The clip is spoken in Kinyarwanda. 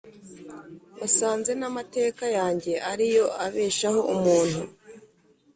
Basanze n’amateka yanjye ari yo abeshaho umuntu